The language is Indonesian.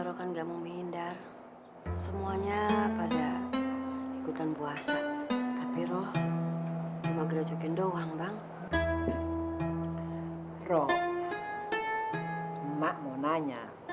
rok mak mau nanya